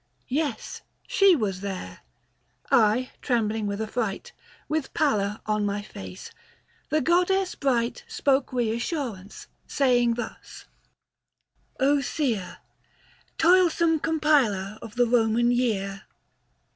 Yes, she was there ; I trembling with affright With pallor on my face ; the goddess bright Spoke reassurance, saying thus :" seer, Toilsome compiler of the Koman year, 10 15 20 174 THE FASTI. Book VI.